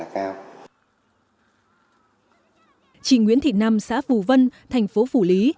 chị nguyễn thị năm xã phù vân thành phố phủ lý